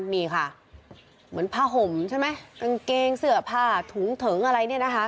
นี่ค่ะเหมือนผ้าห่มใช่ไหมกางเกงเสื้อผ้าถุงเถิงอะไรเนี่ยนะคะ